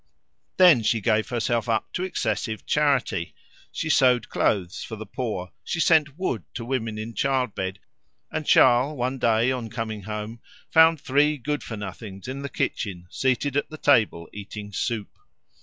Then she gave herself up to excessive charity. She sewed clothes for the poor, she sent wood to women in childbed; and Charles one day, on coming home, found three good for nothings in the kitchen seated at the table eating soup.